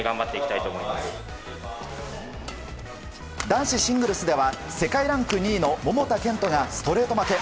男子シングルスでは世界ランク２位の桃田賢斗がストレート負け。